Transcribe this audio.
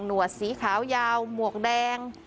วดสีขาวยาวหมวกแดง